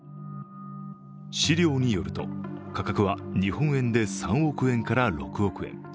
資料によると価格は日本円で３億円から６億円。